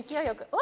お！